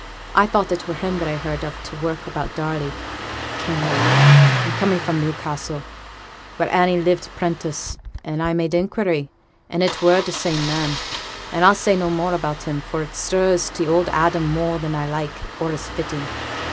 I thought it were him when I heerd of t' work about Darley; Kinraid and coming fra' Newcassel, where Annie lived 'prentice and I made inquiry, and it were t' same man. But I'll say no more about him, for it stirs t' old Adam more nor I like, or is fitting.'